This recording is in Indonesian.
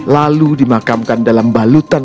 lalu dimakamkan dalam balutan